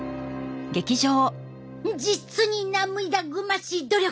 実に涙ぐましい努力！